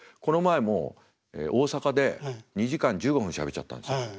この前も大阪で２時間１５分しゃべっちゃったんですよ。